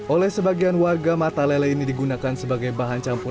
oleh sebagian warga mata lele ini digunakan sebagai bahan campur